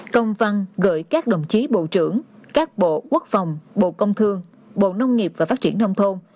công văn gửi các đồng chí bộ trưởng các bộ quốc phòng bộ công thương bộ nông nghiệp và phát triển nông thôn